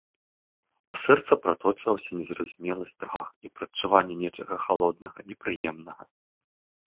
У сэрца праточваўся незразумелы страх і прадчуванне нечага халоднага, непрыемнага.